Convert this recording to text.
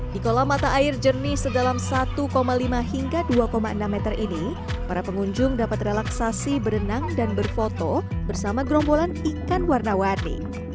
di kolam mata air jernih sedalam satu lima hingga dua enam meter ini para pengunjung dapat relaksasi berenang dan berfoto bersama gerombolan ikan warna warni